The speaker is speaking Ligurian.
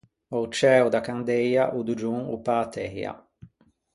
A-o ciæo da candeia o doggion o pâ teia.